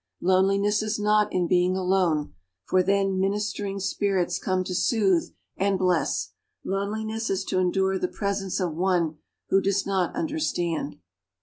Loneliness is not in being alone, for then ministering spirits come to soothe and bless loneliness is to endure the presence of one who does not understand.